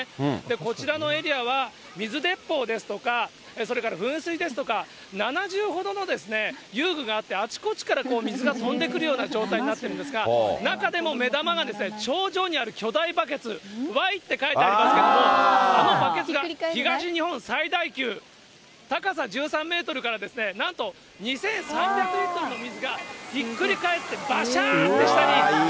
こちらのエリアは、水鉄砲ですとか、それから噴水ですとか７０ほどの遊具があって、あちこちから水が飛んでくるような状態になっているんですが、中でも目玉が、頂上にある巨大バケツ、ＷＡＹって書いてありますけれども、あのバケツが、東日本最大級、高さ１３メートルからなんと２３００リットルの水がひっくり返って、ばしゃーって下に。